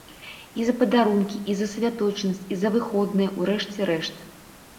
І за падарункі, і за святочнасць, і за выходныя, у рэшце рэшт.